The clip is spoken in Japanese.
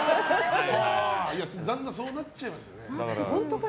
だんだんそうなっちゃいますよね。